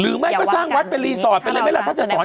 หรือไม่ก็สร้างวัดเป็นรีสอร์ตเป็นอะไรไหมล่ะถ้าจะสอนอย่างนี้